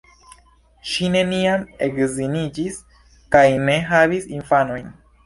Ŝi neniam edziniĝis kaj ne havis infanojn.